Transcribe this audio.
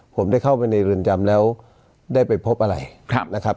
ผมได้เข้าไปในเรือนจำแล้วได้ไปพบอะไรนะครับ